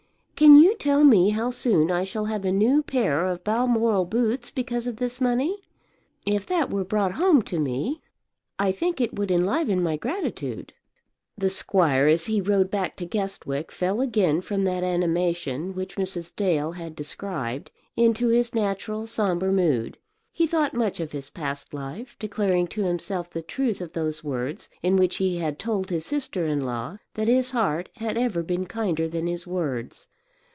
Can you tell me how soon I shall have a new pair of Balmoral boots because of this money? If that were brought home to me I think it would enliven my gratitude." The squire, as he rode back to Guestwick, fell again from that animation, which Mrs. Dale had described, into his natural sombre mood. He thought much of his past life, declaring to himself the truth of those words in which he had told his sister in law that his heart had ever been kinder than his words.